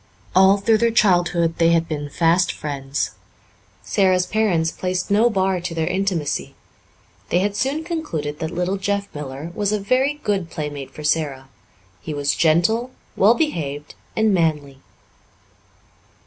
All through their childhood they had been fast friends. Sara's parents placed no bar to their intimacy. They had soon concluded that little Jeff Miller was a very good playmate for Sara. He was gentle, well behaved, and manly.